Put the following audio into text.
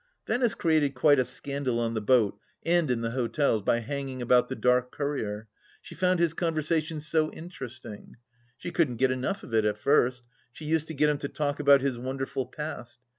Venice created quite a scandal on the joat and in the hotels by hanging about the dark courier. She found his conversation so interesting. She couldn't get enough of it at first. She used to get him to talk about his wonderful past.